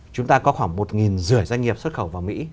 chúng ta có khoảng một năm trăm linh doanh nghiệp xuất khẩu vào mỹ